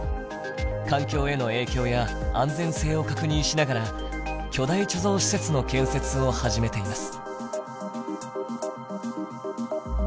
環境への影響や安全性を確認しながら巨大貯蔵施設の建設を始めています。